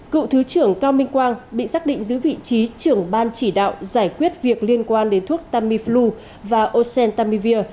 cựu thứ trưởng cao minh quang bị xác định giữ vị trí trưởng ban chỉ đạo giải quyết việc liên quan đến thuốc tamiflu và ocentamivir